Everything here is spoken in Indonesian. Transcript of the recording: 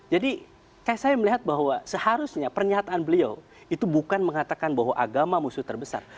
jadi saya melihat bahwa seharusnya pernyataan beliau itu bukan mengatakan bahwa agama musuh terbesar